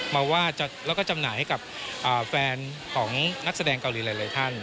มาวาดแล้วก็จำหน่ายให้กับแฟนของนักแสดงเกาหลีหลายท่าน